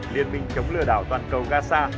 liên minh chống lừa đảo toàn cầu gasa